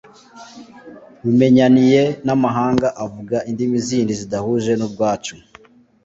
rumenyaniye n'amahanga avuga indimi zindi zidahuje n'urwacu